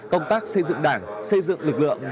công tác xây dựng đảng xây dựng lực lượng